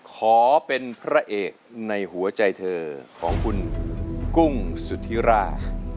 ขอเป็นพระเอกในหัวใจเธอของคุณกุ้งสุธิรา